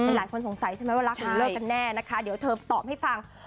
หลายคนสงสัยใช่ไหมว่ารักหรือเลิกกันแน่นะคะเดี๋ยวเธอตอบให้ฟัง